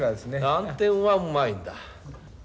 暗転はうまいんだ。